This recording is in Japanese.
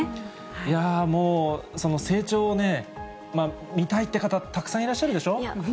いやー、もう、その成長をね、見たいって方、たくさんいらっしゃるでしょ？